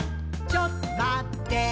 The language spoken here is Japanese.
ちょっとまってぇー」